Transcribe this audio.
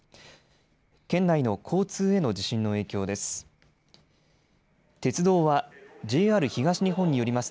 県内の交通への地震の影響です。